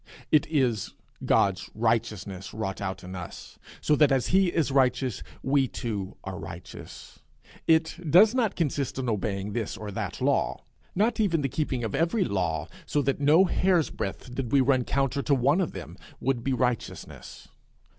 It is God's righteousness wrought out in us, so that as he is righteous we too are righteous. It does not consist in obeying this or that law; not even the keeping of every law, so that no hair's breadth did we run counter to one of them, would be righteousness.